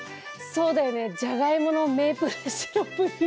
そうだよねジャガイモのメープルシロップ煮。